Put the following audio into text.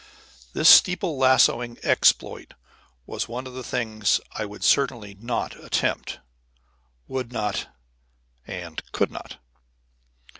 This steeple lassoing exploit was one of the things I certainly would not attempt would not and could not.